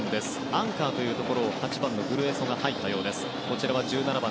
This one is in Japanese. アンカーに８番のグルエソが入ったようです。